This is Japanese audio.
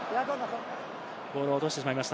ボールを落としてしまいました。